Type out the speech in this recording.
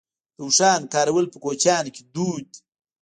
د اوښانو کارول په کوچیانو کې دود دی.